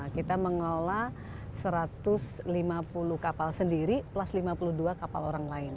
kita mengelola satu ratus lima puluh kapal sendiri plus lima puluh dua kapal orang lain